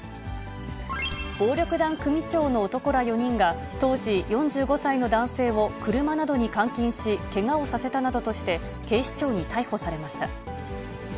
暴力団組長の男ら４人が、当時、４５歳の男性を車などに監禁し、けがをさせたなどとして、警視庁に逮捕されました。